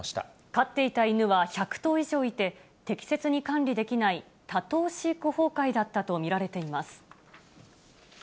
飼っていた犬は１００頭以上いて、適切に管理できない多頭飼育崩壊だったと見られています。